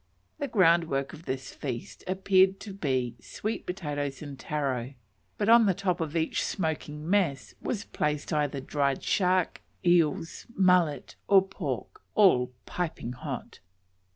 The groundwork of this feast appeared to be sweet potatoes and taro, but on the top of each smoking mess was placed either dried shark, eels, mullet, or pork, all "piping hot."